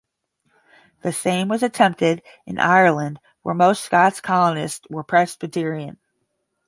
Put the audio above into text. The same was attempted in Ireland, where most Scots colonists were Presbyterian.